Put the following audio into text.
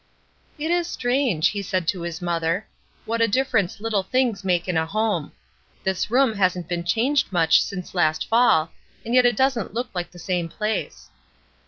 "It is strange," he said to his mother, "what a difference little things make in a home. This room hasn^t been changed much since last fall, and yet it doesn't look hke the same place."